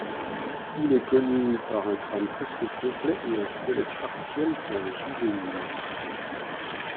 Il est connu par un crâne presque complet et un squelette partiel d'un juvénile.